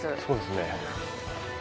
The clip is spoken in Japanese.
そうですね。